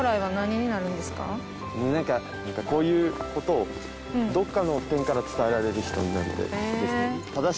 なんかこういう事をどこかの点から伝えられる人になりたいです。